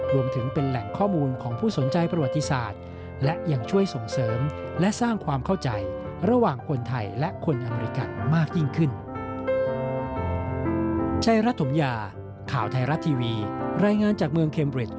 รวมถึงเป็นแหล่งข้อมูลของผู้สนใจประวัติศาสตร์และยังช่วยส่งเสริมและสร้างความเข้าใจระหว่างคนไทยและคนอเมริกันมากยิ่งขึ้น